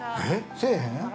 ◆せえへん？